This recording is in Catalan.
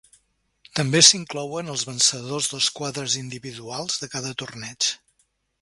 També s'inclouen els vencedors dels quadres individuals de cada torneig.